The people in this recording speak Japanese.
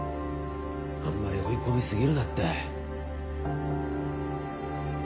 あんまり追い込み過ぎるなって。